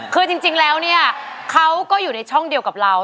คือจริงแล้วเนี่ยเขาก็อยู่ในช่องเดียวกับเรา